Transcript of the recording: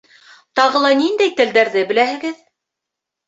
Тағы ла ниндәй телдәрҙе беләһегеҙ?